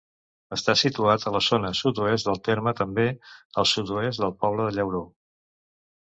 Està situat a la zona sud-oest del terme, també al sud-oest del poble de Llauró.